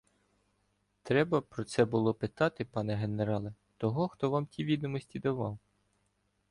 — Треба про це було питати, пане генерале, того, хто вам ті відомості давав.